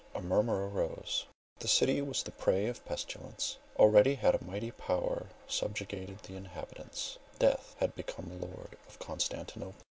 A murmur arose, the city was the prey of pestilence; already had a mighty power subjugated the inhabitants; Death had become lord of Constantinople.